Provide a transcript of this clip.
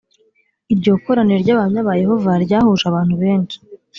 iryo koraniro ry’abahamya ba yehova ryahuje abantu benshi